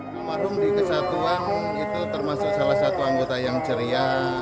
almarhum di kesatuan itu termasuk salah satu anggota yang ceria